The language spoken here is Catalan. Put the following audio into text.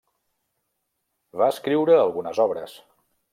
Va escriure algunes obres.